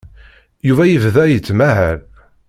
Yuba yebda yettmahal.